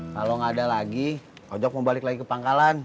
kalau nggak ada lagi ojok mau balik lagi ke pangkalan